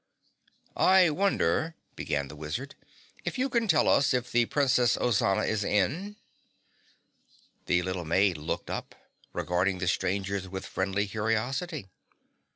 "I wonder," began the Wizard, "if you can tell us if the Princess Ozana is in?" The little maid looked up, regarding the strangers with friendly curiosity.